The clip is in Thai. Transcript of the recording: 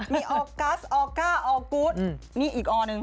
มีออกกัสออกก็ออกกู๊ดนี่อีกออนึง